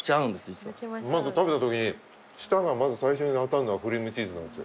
実はまず食べたときに舌がまず最初に当たるのがクリームチーズなんですよ